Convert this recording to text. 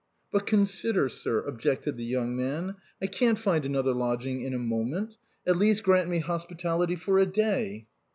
" But consider, sir," objected the young man, " I can't find another lodging in a moment ! At least grant me hos pitality for a day."